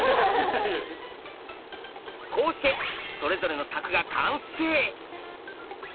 こうしてそれぞれの柵が完成。